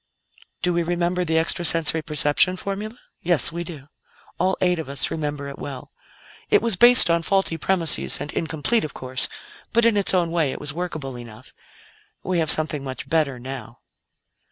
"Do we remember the extra sensory perception formula? Yes, we do; all eight of us remember it well. It was based on faulty premises, and incomplete, of course; but in its own way it was workable enough. We have something much better now."